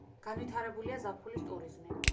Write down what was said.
განვითარებულია ზაფხულის ტურიზმი.